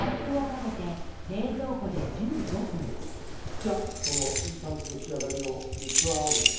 じゃあこのいい感じの仕上がりの肉餡をですね